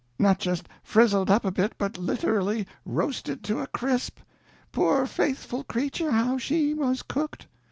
Not just frizzled up a bit, but literally roasted to a crisp! Poor faithful creature, how she was cooked!